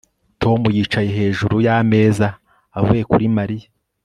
Tom yicaye hejuru yameza avuye kuri Mariya